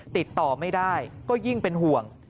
ติดต่อไม่ได้ก็ยิ่งเป็นห่วง